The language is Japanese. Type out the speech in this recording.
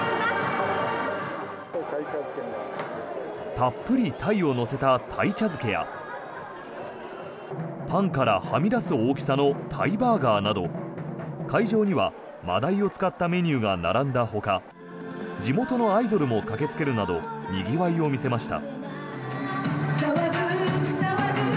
たっぷりタイを乗せたタイ茶漬けやパンからはみ出す大きさのタイバーガーなど会場にはマダイを使ったメニューが並んだほか地元のアイドルも駆けつけるなどにぎわいを見せました。